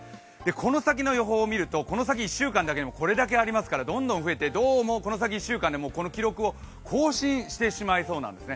この先の予報を見ると、この先１週間だけでもこれだけありますから、どんどん増えてどうもこの先１週間でこの記録を更新してしまいそうなんですね。